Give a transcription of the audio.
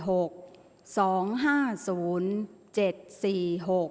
ออกรางวัลที่๖